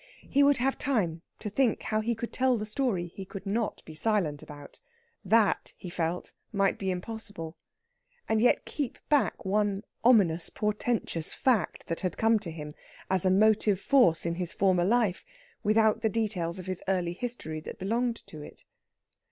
He would have time to think how he could tell the story he could not be silent about that, he felt, might be impossible and yet keep back one ominous portentous fact that had come to him, as a motive force in his former life, without the details of his early history that belonged to it.